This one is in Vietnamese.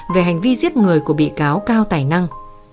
về hành vi giết người của bị cáo cao tài năng